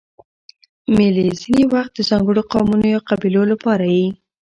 مېلې ځیني وخت د ځانګړو قومونو یا قبیلو له پاره يي.